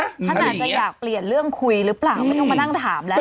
ท่านอาจจะอยากเปลี่ยนเรื่องคุยหรือเปล่าไม่ต้องมานั่งถามแล้ว